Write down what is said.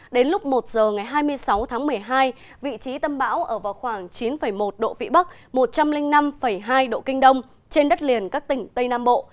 đến lúc một giờ ngày hai mươi sáu tháng một mươi hai vị trí tâm bão ở vào khoảng chín một độ vĩ bắc một trăm linh năm hai độ kinh đông trên đất liền các tỉnh tây nam bộ